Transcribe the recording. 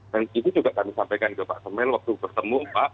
dan itu juga kami sampaikan ke pak samuel waktu bertemu pak